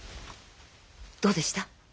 どうでした？